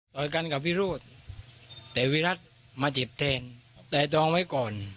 กันกับวิโรธแต่วิรัติมาเจ็บแทนแต่ดองไว้ก่อน